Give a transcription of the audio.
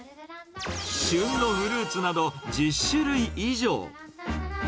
旬のフルーツなど１０種類以上。